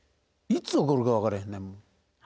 いつ起こるか分からへんねんもん。